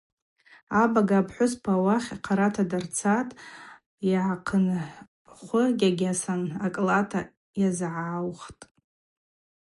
Абага апхӏвыспа ауахь хъарата дарцатӏ, йгӏахъынхӏвыгьагьасан акӏлат йазгӏагӏвхтӏ.